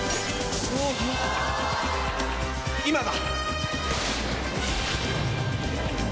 今だ！